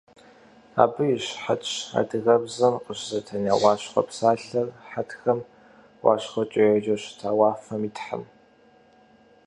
Абы и щыхьэтщ адыгэбзэм къыщызэтена «уащхъуэ» псалъэр: хьэтхэр УащхъуэкӀэ еджэу щытащ уафэм и тхьэм.